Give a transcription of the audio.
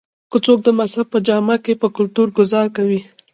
کۀ څوک د مذهب پۀ جامه کښې پۀ کلتور ګذار کوي